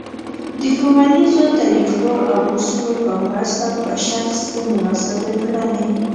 د ښونیزو طریقو او اصولو په مرسته په شخص کې مناسبې کړنې